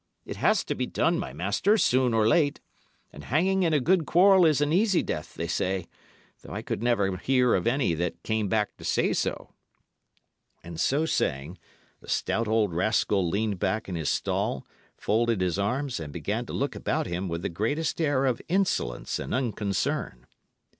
It has to be done, my master, soon or late. And hanging in a good quarrel is an easy death, they say, though I could never hear of any that came back to say so." And so saying, the stout old rascal leaned back in his stall, folded his arms, and began to look about him with the greatest air of insolence and unconcern.